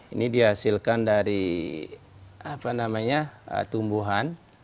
ini dihasilkan dari apa namanya tumbuhan